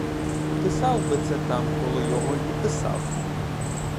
Писав би це там коло його й писав.